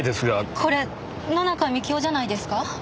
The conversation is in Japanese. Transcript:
これ野中樹生じゃないですか？